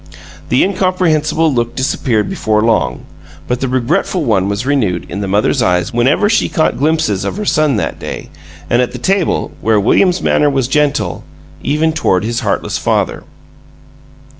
The incomprehensible look disappeared before long; but the regretful one was renewed in the mother's eyes whenever she caught glimpses of her son, that day, and at the table, where William's manner was gentle even toward his heartless father.